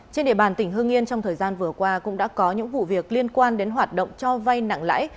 trên địa bàn tỉnh hương yên trong thời gian vừa qua cũng đã có những vụ việc liên quan đến hoạt động cho vay nặng lãi